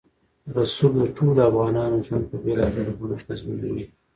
رسوب د ټولو افغانانو ژوند په بېلابېلو بڼو اغېزمنوي.